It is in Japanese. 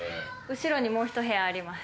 後ろにもう１部屋あります。